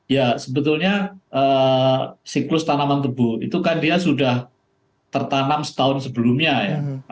ya sebetulnya siklus tanaman tebu itu kan dia sudah tertanam setahun sebelumnya ya